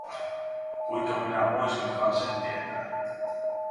Kuinka minä voisinkaan sen tietää?